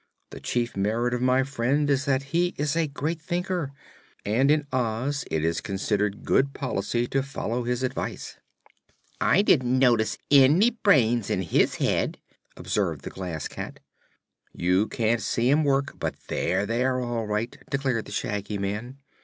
The chief merit of my friend is that he is a great thinker, and in Oz it is considered good policy to follow his advice." "I didn't notice any brains in his head," observed the Glass Cat. "You can't see 'em work, but they're there, all right," declared the Shaggy Man.